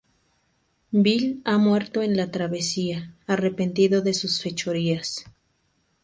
Bill ha muerto en la travesía, arrepentido de sus fechorías.